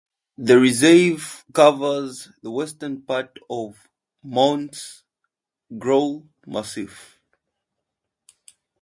The reserve covers the western part of the Monts Groulx massif.